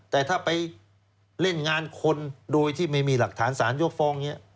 แต่ถ้าไปเล่นงานคนโดยที่ไม่มีหลักฐานสารยกฟ้องอย่างนี้